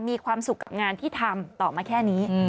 มีความสุขกับงานที่ทำต่อมาแค่นี้